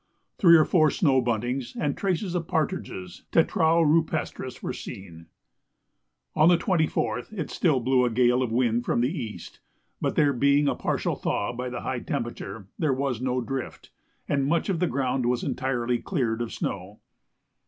Three or four snow buntings and traces of partridges (tetrao rupestris) were seen. On the 24th it still blew a gale of wind from the east, but there being a partial thaw by the high temperature, there was no drift, and much of the ground was entirely cleared of snow.